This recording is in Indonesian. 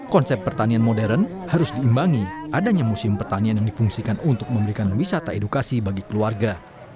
konsep pertanian modern harus diimbangi adanya museum pertanian yang difungsikan untuk memberikan wisata edukasi bagi keluarga